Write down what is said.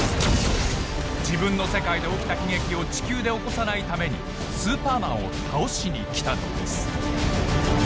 自分の世界で起きた悲劇を地球で起こさないためにスーパーマンを倒しに来たのです。